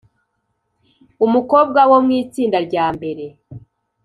Umukobwa wo mwitsinda ryambere